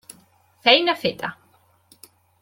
Feina feta.